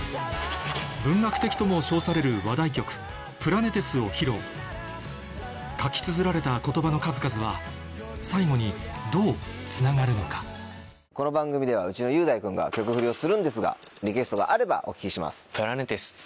文学的とも称されるを披露書きつづられた言葉の数々は最後にどうつながるのかこの番組ではうちの雄大君が曲フリをするんですがリクエストがあればお聞きします。